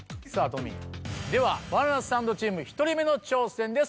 トミーではバナナサンドチーム１人目の挑戦です